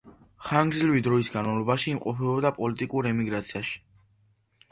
ხანგრძლივი დროის განმავლობაში იმყოფებოდა პოლიტიკურ ემიგრაციაში.